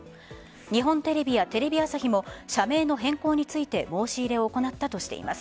日本テレビ、テレビ朝日も社名の変更について申し入れを行ったとしています。